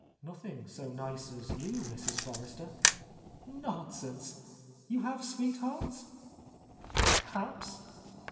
"Nothing so nice as you, Mrs. Forrester." "Nonsense! You have sweethearts?" "Perhaps."